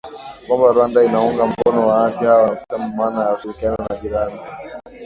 kwamba Rwanda inaunga mkono waasi hao na kusema maana ya ushirikiano na jirani